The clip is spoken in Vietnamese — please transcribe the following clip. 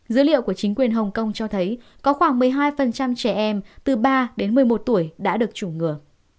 dữ liệu của chính quyền hồng kông cho thấy có khoảng một mươi hai trẻ em từ ba đến một mươi một tuổi đã được chủng ngừa